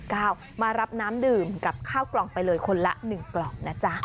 มารับน้ำดื่มกับข้าวกล่องไปเลยคนละ๑กล่องนะจ๊ะ